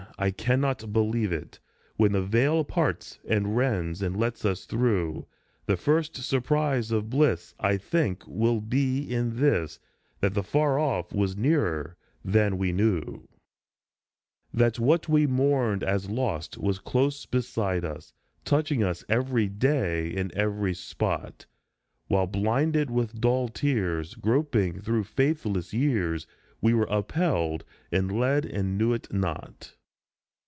I cannot believe it. When the veil parts and rends and lets us through, The first surprise of bliss, I think, will be in this, That the far off was nearer than we knew \ 106 THE LAND THAT IS VERY FAR OFF That what we mourned as lost was close beside us, Touching us every day in every spot, While, blinded with dull tears, groping through faithless years, We were upheld and led and knew it not.